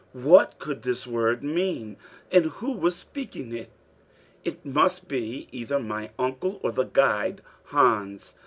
What could this word mean, and who was speaking it? It must be either my uncle or the guide Hans!